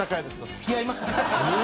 付き合いましたからね。